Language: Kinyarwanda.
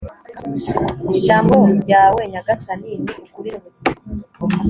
ijambo ryawe nyagasani ni ukuri n'ubugingo